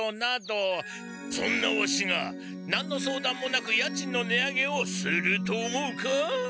そんなワシが何の相談もなく家賃の値上げをすると思うか？